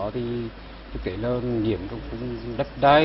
thực tế là nhiễm trong khung đất đai